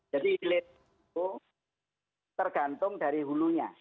jadi hilir itu tergantung dari hulunya